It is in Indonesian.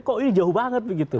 kok ini jauh banget begitu